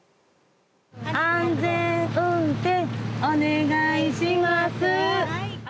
安全運転お願いします。